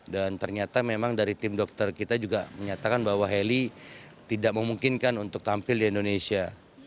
dan ternyata memang dari tim dokter kita juga menyatakan bahwa hailey tidak memungkinkan untuk tampil di indonesia